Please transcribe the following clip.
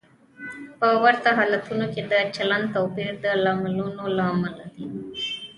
په ورته حالتونو کې د چلند توپیر د لاملونو له امله دی.